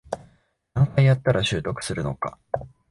何回やったら習得するのか